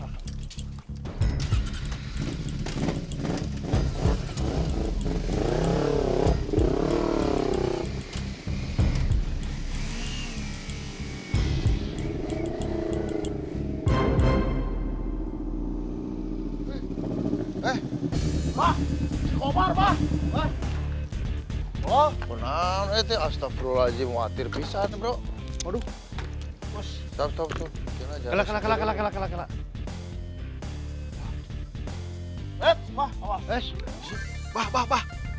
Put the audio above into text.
eh mah obat obat hai loh benar itu astagfirullah alaizimuatir bisa bro aduh